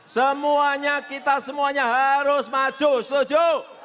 semuanya kita semuanya harus maju setuju